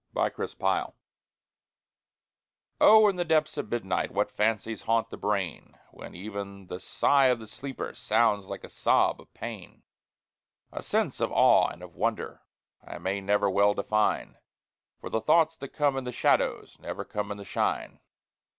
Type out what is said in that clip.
IN THE DARK O In the depths of midnight What fancies haunt the brain! When even the sigh of the sleeper Sounds like a sob of pain. A sense of awe and of wonder I may never well define, For the thoughts that come in the shadows Never come in the shine.